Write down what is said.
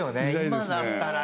今だったらね。